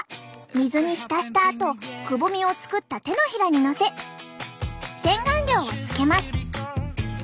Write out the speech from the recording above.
水に浸したあとくぼみを作った手のひらにのせ洗顔料をつけます。